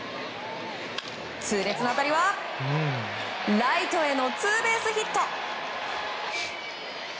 痛烈な当たりはライトへのツーベースヒット。